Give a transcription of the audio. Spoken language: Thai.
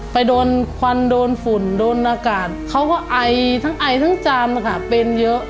ไปโดนควันโดนฝุ่นโดนอากาศเขาก็ไอทั้งไอทั้งจามเป็นเยอะ